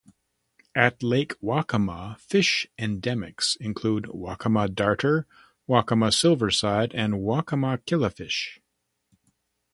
At Lake Waccamaw, fish endemics include Waccamaw darter, Waccamaw silverside, and Waccamaw killifish.